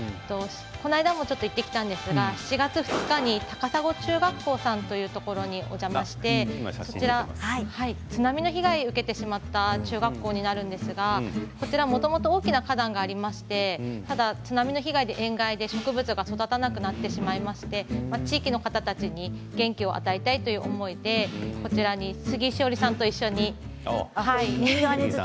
この間もちょっと行ってきたんですが７月２日に高砂中学校さんというところにお邪魔して津波の被害を受けてしまった中学校になるんですがこちら、もともと大きな花壇ありまして、ただ津波の被害で塩害で植物が育たなくなってしまいまして地域の方たちに元気を与えたいという思いで右側に写ってますね。